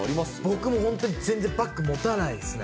僕もう、本当にバッグ持たないですね。